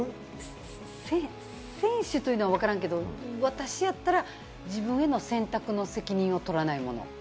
選手というのはわからんけど、私やったら自分への選択の責任を取らないもの。